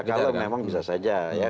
kalau memang bisa saja